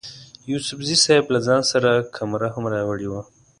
یوسفزي صیب له ځان سره کمره هم راوړې وه.